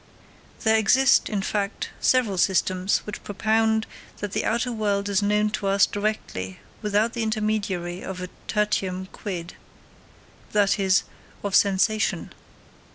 There exist, in fact, several systems which propound that the outer world is known to us directly without the intermediary of a tertium quid, that is, of sensation.